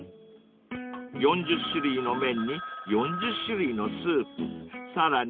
［４０種類の麺に４０種類のスープさらに